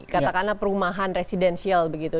katakanlah perumahan residential begitu